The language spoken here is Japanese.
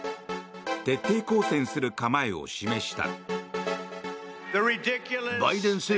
徹底抗戦する構えを示した。